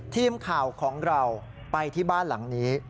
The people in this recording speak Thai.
ทีมข่าวของเราไปที่บ้านหลังนี้